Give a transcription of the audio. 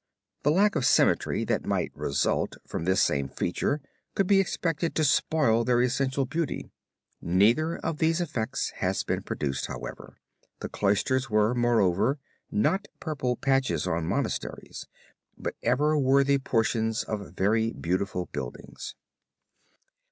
The lack of symmetry that might result, from this same feature could be expected to spoil their essential beauty. Neither of these effects has been produced, however. The Cloisters were, moreover, not purple patches on monasteries, but ever worthy portions of very beautiful buildings.